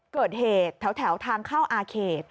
เกิดเหตุแถวทางเข้าอาเขต